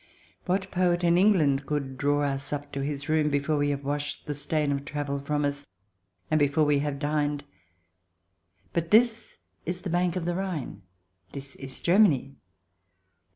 What poet in England could draw us to his room before we have washed the stain of travel from us, and before we have dined? But this is the bank of the Rhine. This is Germany.